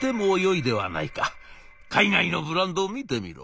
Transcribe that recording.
海外のブランドを見てみろ。